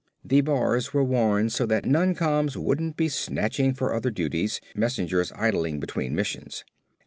The bars were worn so that noncoms wouldn't be snatching for other duties, messengers idling between missions.